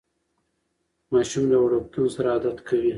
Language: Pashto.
ماشوم د وړکتون سره عادت کوي.